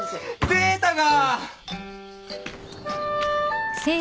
データが！